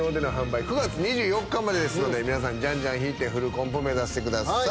９月２４日までですので皆さんじゃんじゃん引いてフルコンプ目指してください。